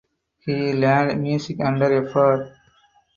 He learned music under Fr.